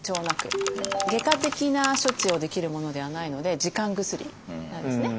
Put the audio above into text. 外科的な処置をできるものではないので時間薬なんですね。